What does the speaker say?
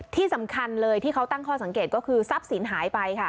ที่สำคัญเลยที่เขาตั้งข้อสังเกตก็คือทรัพย์สินหายไปค่ะ